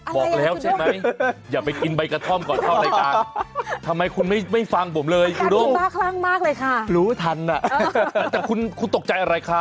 บอกแล้วใช่ไหมอย่าไปกินใบกระท่อมก่อนเข้ารายการทำไมคุณไม่ฟังผมเลยรู้รู้ทันอ่ะแต่คุณตกใจอะไรครับ